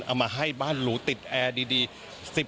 เอามาให้บ้านหรูติดแอร์ดี